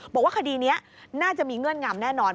บอกว่าคดีนี้น่าจะมีเงื่อนงำแน่นอน